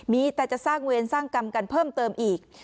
มีแต่จะสร้างเวรสร้างกรรมกันเพิ่มเติมอีก